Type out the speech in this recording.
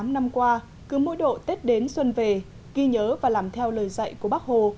tám năm qua cứ mỗi độ tết đến xuân về ghi nhớ và làm theo lời dạy của bác hồ